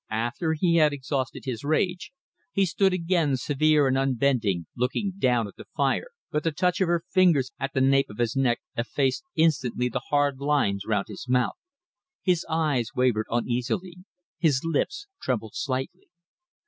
After he had exhausted his rage, he stood again severe and unbending looking down at the fire, but the touch of her fingers at the nape of his neck effaced instantly the hard lines round his mouth; his eyes wavered uneasily; his lips trembled slightly.